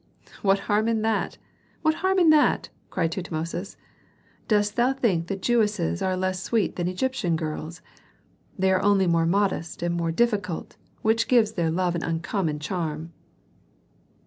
"What harm in that? what harm in that?" cried Tutmosis. "Dost think that Jewesses are less sweet than Egyptian girls? They are only more modest and more difficult, which gives their love an uncommon charm."